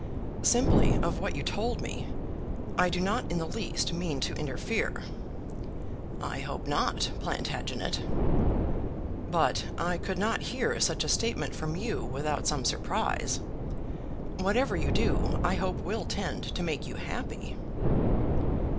"Simply of what you told me. I do not in the least mean to interfere." "I hope not, Plantagenet." "But I could not hear such a statement from you without some surprise. Whatever you do I hope will tend to make you happy."